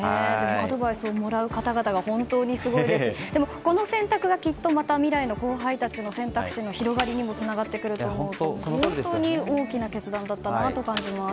アドバイスをもらう方々が本当にすごいですしでも、この選択がきっと未来の後輩たちの選択肢の広がりにもつながってくると思うと本当に大きな決断だったなと感じます。